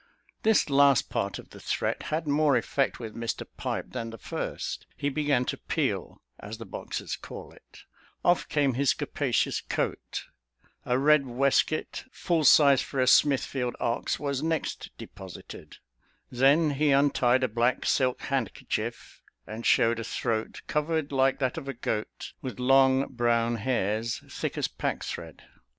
This last part of the threat had more effect with Mr Pipe than the first. He began to peel, as the boxers call it; off came his capacious coat; a red waistcoat full sized for a Smithfield ox was next deposited; then he untied a black silk handkerchief, and showed a throat, covered like that of a goat, with long brown hairs, thick as pack thread.